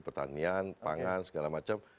pertanian pangan segala macam